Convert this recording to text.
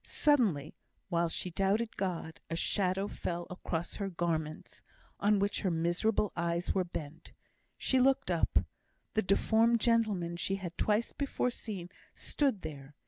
Suddenly, while she thus doubted God, a shadow fell across her garments, on which her miserable eyes were bent. She looked up. The deformed gentleman she had twice before seen, stood there.